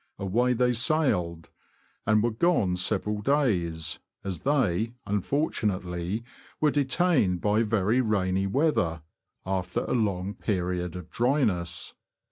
Away they sailed, and were gone several days, as they, un fortunately, were detained by very rainy weather, after a long period of dryness.